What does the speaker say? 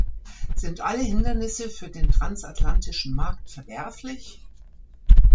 Sind alle Hindernisse für den transatlantischen Markt verwerflich?